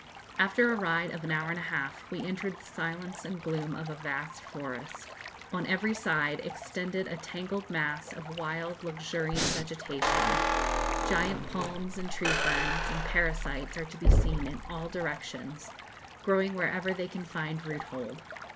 After a ride of an hour and a half, we entered the silence and gloom of a vast forest. On every side extended a tangled mass of wild, luxuriant vegetation: giant palms, and tree ferns, and parasites are to be seen in all directions, growing wherever they can find root hold.